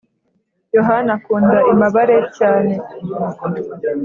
yohana akunda imabare cyane